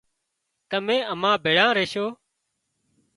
تمين امان ڀيۯا ريشو